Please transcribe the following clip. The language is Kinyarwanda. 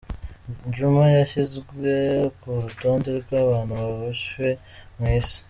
Juma yashyizwe ku rutonde rw’ abantu bubashywe mu Isi.